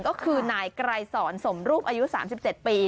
ก็คือนายไกรสอนสมรูปอายุ๓๗ปี